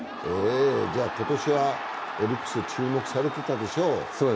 じゃ今年はオリックス、注目されてたでしょ。